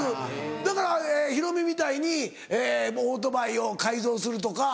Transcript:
だからヒロミみたいにオートバイを改造するとか。